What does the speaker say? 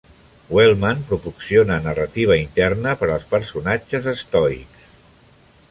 Wellman proporciona narrativa interna per als personatges estoics.